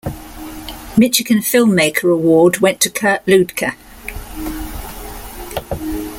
Michigan Filmmaker Award went to Kurt Luedtke.